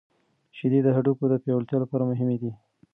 شیدې د هډوکو د پیاوړتیا لپاره مهمې دي.